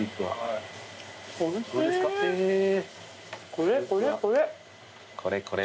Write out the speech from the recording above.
これこれこれ。